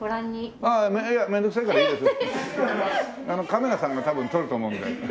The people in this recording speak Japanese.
カメラさんが多分撮ると思うんだよね。